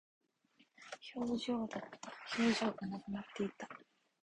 表情だった。表情がなくなっていた。